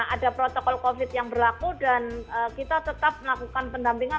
ada protokol covid yang berlaku dan kita tetap melakukan pendampingan